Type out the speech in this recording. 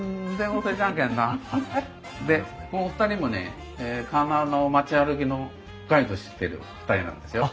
でこのお二人もね鉄輪の町歩きのガイドをしてる２人なんですよ。